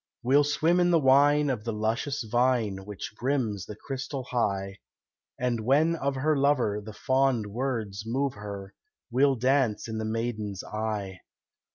We'll swim in the wine of the luscious vine Which brims the crystal high, And when of her lover the fond words move her, We'll dance in the maiden's eye.